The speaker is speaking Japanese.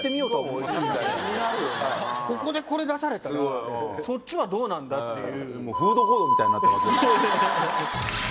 ここでこれ出されたらそっちはどうなんだっていう。